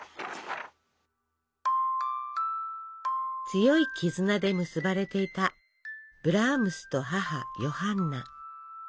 強い絆で結ばれていたブラームスと母ヨハンナ。